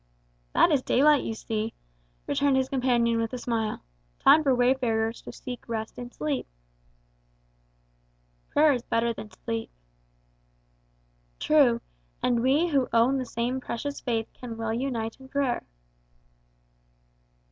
"That is daylight you see," returned his companion with a smile. "Time for wayfarers to seek rest in sleep." "Prayer is better than sleep." "True, and we who own the same precious faith can well unite in prayer."